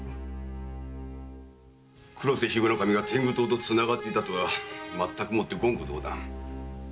黒瀬が天狗党と繋がっていたとはまったくもって言語道断。